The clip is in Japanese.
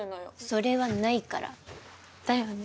それはないからだよね